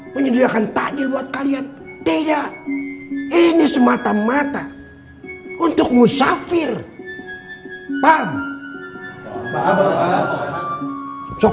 menyediakan takjil buat kalian tidak ini semata mata untuk musafir paham bahwa sok